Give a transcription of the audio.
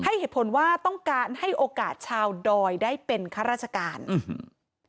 เหตุผลว่าต้องการให้โอกาสชาวดอยได้เป็นข้าราชการอืม